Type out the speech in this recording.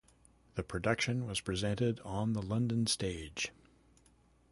The production was presented on the London stage.